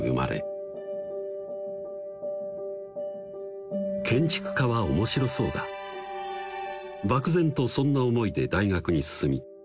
みんな建築家は面白そうだ漠然とそんな思いで大学に進み